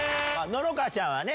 乃々佳ちゃんはね